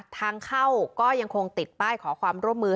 ทางเข้าก็ยังคงติดป้ายขอความร่วมมือ